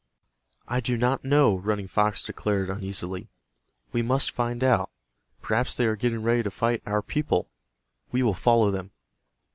"I do not know," Running Fox declared, uneasily. "We must find out. Perhaps they are getting ready to fight our people. We will follow them."